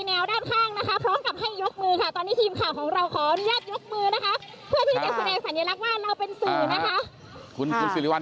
แล้วก็มีการประกาศให้สื่อมวลชนนะคะ